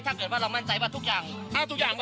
ถ้าเกิดว่าเรามั่นใจว่าทุกอย่างก็